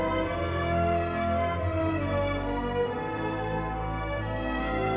ica kamu mau jadi anak asuhnya pak jamat